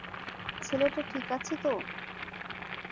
ছেলেটা ঠিক আছে তো?